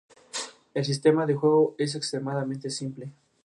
El sistema de juego es extremadamente simple.